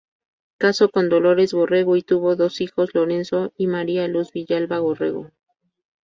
Caso con Dolores Borrego y tuvo dos hijos Lorenzo y María Luz Villalba Borrego.